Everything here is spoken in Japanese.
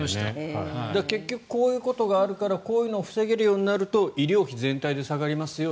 結局こういうことがあるからこういうのを防げるようになると医療費、全体で下がりますよ。